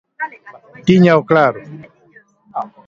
Tíñao claro.